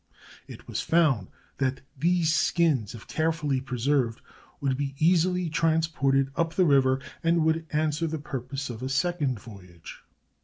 It was found that these skins, if care fully preserved, could be easily transported up the river, and would answer the purpose of a second voyage.